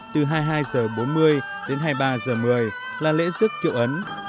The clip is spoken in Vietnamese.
từ hai mươi hai h bốn mươi đến hai mươi ba h một mươi là lễ dức kiệu ấn